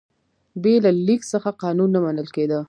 بې له لیک څخه قانون نه منل کېده.